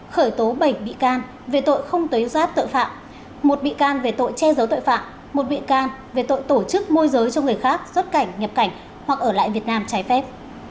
khởi tố bảy bị can về tội không tế giác tội phạm một bị can về tội che giấu tội phạm một bị can về tội tổ chức môi giới cho người khác xuất cảnh nhập cảnh hoặc ở lại việt nam trái phép